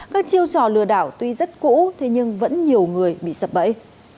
các chiêu trò lửa đảo tuy rất cũ nhưng vẫn nhiều người bị sập bẫy